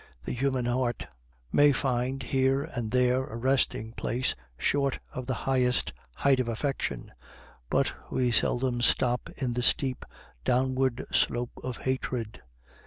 The human heart may find here and there a resting place short of the highest height of affection, but we seldom stop in the steep, downward slope of hatred.